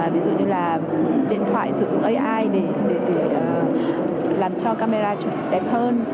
ví dụ như là điện thoại sử dụng ai để làm cho camera đẹp hơn